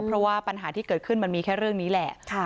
เพราะว่าปัญหาที่เกิดขึ้นมันมีแค่เรื่องนี้แหละ